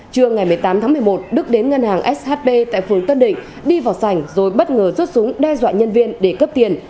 trưa ngày một mươi tám tháng một mươi một đức đến ngân hàng shb tại phường tân định đi vào sảnh rồi bất ngờ rút súng đe dọa nhân viên để cướp tiền